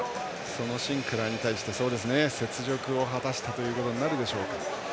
そのシンクラーに対して雪辱を果たしたということになるでしょうか。